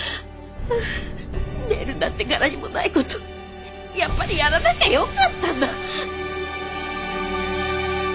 ああネイルなんて柄にもない事やっぱりやらなきゃよかったんだ！